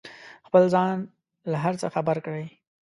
خپل ځان له هر څه خبر کړئ.